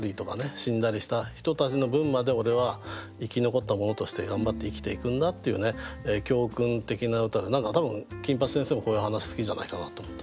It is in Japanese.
死んだりした人たちの分まで俺は生き残った者として頑張って生きていくんだっていうね教訓的な歌で何か多分金八先生もこういう話好きじゃないかなと思って。